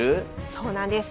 そうなんです